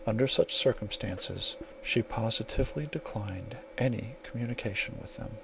Under such circumstances, she positively declined any communication with them."